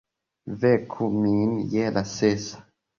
Veku min je la sesa!